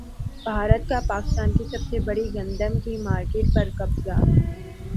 بھارت کا پاکستان کی سب سے بڑی گندم کی مارکیٹ پر قبضہ